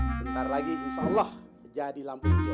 bentar lagi insya allah jadi lampu hijau